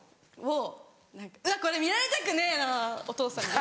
うわこれ見られたくねえなお父さんに。